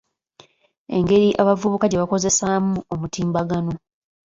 Engeri abavubuka gye bakozesaamu omutimbagano